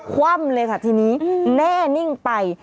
คว่ำเลยค่ะทีนี้แน่นิ่งไป